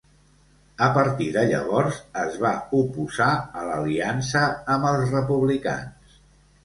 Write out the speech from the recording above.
A partir de llavors es va oposar a l'aliança amb els republicans.